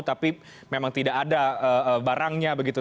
tapi memang tidak ada barangnya begitu